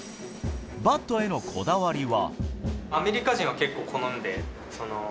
バットへのこだわりは？